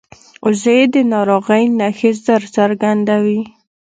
وزې د ناروغۍ نښې ژر څرګندوي